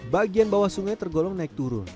bagian bawah sungai tergolong naik turun